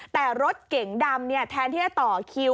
แต่รถเก๋งดำแทนที่จะต่อคิว